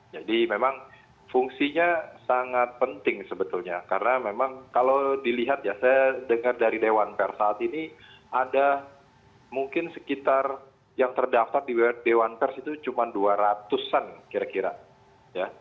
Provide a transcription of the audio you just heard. jadi memang fungsinya sangat penting sebetulnya karena memang kalau dilihat ya saya dengar dari dewan pers saat ini ada mungkin sekitar yang terdaftar di dewan pers itu cuma dua ratus an kira kira ya